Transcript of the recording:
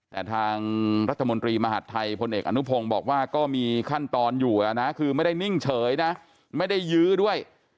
แต่ทางรัฐมนตรีมหาดไทยพลเอกอนุพงศ์บอกว่าก็มีขั้นตอนอยู่นะคือไม่ได้นิ่งเฉยนะไม่ได้ยื้อด้วย